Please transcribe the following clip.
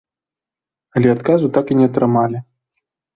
Але адказу так і не атрымалі.